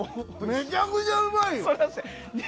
めちゃくちゃうまいよ！